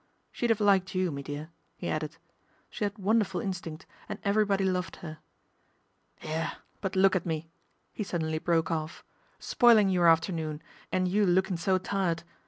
" She'd 'ave liked you, me dear," he added ;" she 'ad wonderful instinct, and every body loved her. 'Ere, but look at me," he sud denly broke off, " spoilin' your afternoon, and you lookin' so tired.